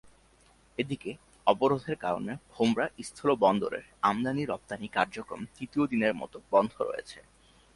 এদিকে, অবরোধের কারণে ভোমরা স্থলবন্দরের আমদানি-রপ্তানি কার্যক্রম তৃতীয় দিনের মতো বন্ধ রয়েছে।